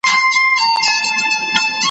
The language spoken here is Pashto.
لا د چا سترگه په سيخ ايستل كېدله